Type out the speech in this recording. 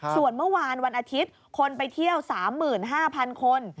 ส่วนเมื่อวานวันอาทิตย์คนไปเที่ยว๓๕๐๐๐คน